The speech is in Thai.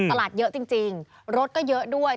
ตลาดเยอะจริงรถก็เยอะด้วย